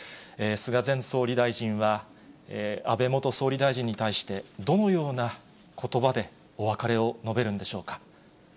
菅前総理大臣は、安倍元総理大臣に対して、どのようなことばでお別れを述べるんでしょうか。